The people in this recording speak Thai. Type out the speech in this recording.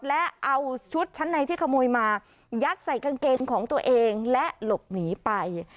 และเอาชุดชั้นในที่ขโมยมายัดใส่กางเกงของตัวเองและหลบหนีไป